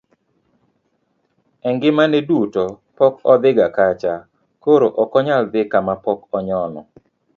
e ngimane duto pok odhi ga kacha koro ok nonyal dhi kama pok onyono